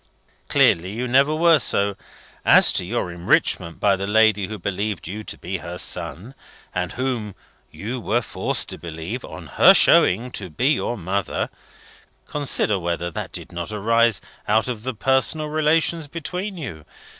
Clearly you never were so. As to your enrichment by the lady who believed you to be her son, and whom you were forced to believe, on her showing, to be your mother, consider whether that did not arise out of the personal relations between you.